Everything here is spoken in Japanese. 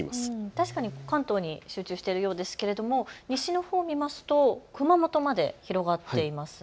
確かに関東に集中しているようですが西のほうを見ると熊本まで広がっていますね。